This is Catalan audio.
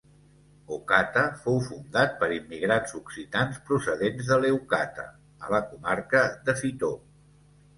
Ocata fou fundat per immigrats occitans procedents de Leucata, a la comarca de Fitor.